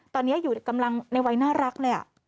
ตอนนี้อยู่กำลังในวัยน่ารักเลย